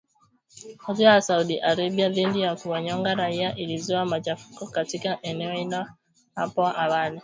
Hatua ya Saudi Arabia dhidi ya kuwanyonga raia ilizua machafuko katika eneo hilo hapo awali